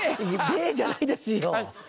「痛ぇ」じゃないですよ。